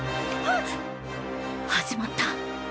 始まった。